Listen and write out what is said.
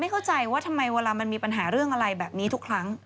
เข้าใจว่าทำไมเวลามันมีปัญหาเรื่องอะไรแบบนี้ทุกครั้ง